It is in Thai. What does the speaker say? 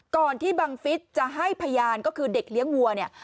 ก่อนที่บังฟิศจะให้พยานก็คือเด็กเลี้ยงวัวเนี่ย